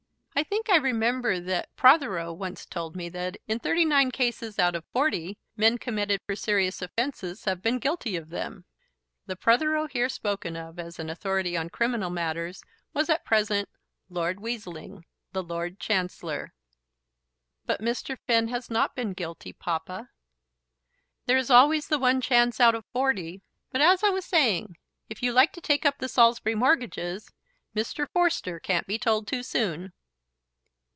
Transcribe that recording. I think I remember that Protheroe once told me that, in thirty nine cases out of forty, men committed for serious offences have been guilty of them." The Protheroe here spoken of as an authority in criminal matters was at present Lord Weazeling, the Lord Chancellor. "But Mr. Finn has not been guilty, Papa." "There is always the one chance out of forty. But, as I was saying, if you like to take up the Saulsby mortgages, Mr. Forster can't be told too soon."